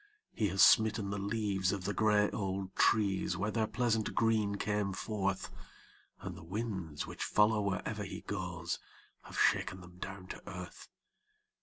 He has smitten the leaves of the gray old trees where their pleasant green came forth, And the winds, which follow wherever he goes, have shaken them down to earth.